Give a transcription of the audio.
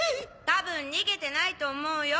多分逃げてないと思うよ。